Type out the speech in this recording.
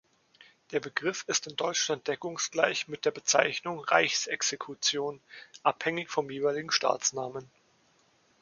Der Begriff ist in Deutschland deckungsgleich mit der Bezeichnung „Reichsexekution“, abhängig vom jeweiligen Staatsnamen.